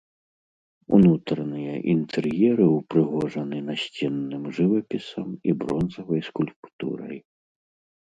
Унутраныя інтэр'еры ўпрыгожаны насценным жывапісам і бронзавай скульптурай.